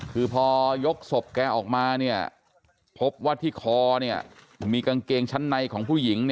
คือพอยกศพแกออกมาพบว่าที่คอมีกางเกงชั้นในของผู้หญิง